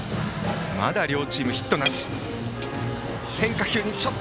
まだ両チームヒットなし。